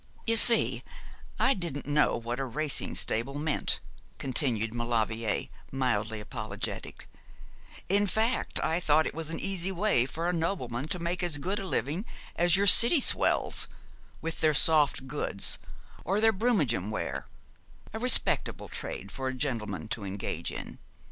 'You see, I didn't know what a racing stable meant,' continued Maulevrier, mildly apologetic 'in fact, I thought it was an easy way for a nobleman to make as good a living as your City swells, with their soft goods or their Brummagem ware, a respectable trade for a gentleman to engage in.